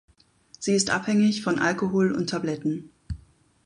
Sie ist abhängig von Alkohol und Tabletten.